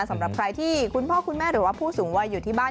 สำหรับใครที่คุณพ่อคุณแม่หรือว่าผู้สูงวัยอยู่ที่บ้าน